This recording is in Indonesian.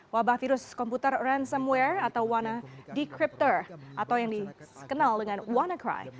wabah virus komputer ransomware atau wannadecryptor atau yang dikenal dengan wannacry